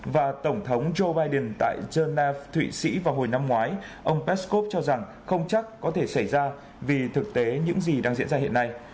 và tổng thống joe biden tại genna thụy sĩ vào hồi năm ngoái ông peskov cho rằng không chắc có thể xảy ra vì thực tế những gì đang diễn ra hiện nay